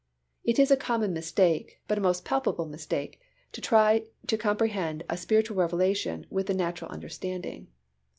It is a common mistake, but a most palpable mistake, to try to comprehend a spiritual revelation with the natural understanding.